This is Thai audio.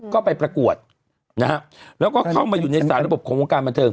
ก็ไปประกวดนะฮะแล้วก็เข้ามาอยู่ในสารระบบของวงการบันเทิง